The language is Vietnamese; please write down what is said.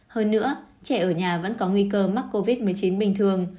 hơn nữa trẻ ở nhà vẫn có nguy cơ mắc covid một mươi chín bình thường